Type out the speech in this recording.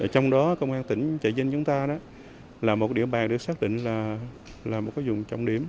trong đó công an tỉnh chợ dân chúng ta là một địa bàn để xác định là một cái vùng trọng điểm